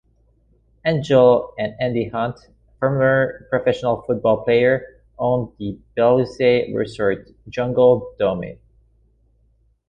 Angel and Andy Hunt, former professional football player, own the Belize resort, 'Jungle Dome'.